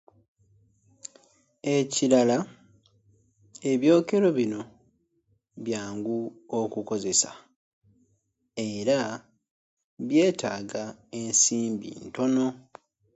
Ekirala, ebyokero bino byangu okukozesa era byetaaga ensimbi ntono.